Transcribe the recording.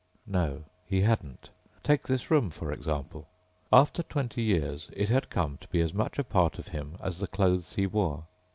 No, he hadn't. Take this room, for example. After twenty years it had come to be as much a part of him as the clothes he wore.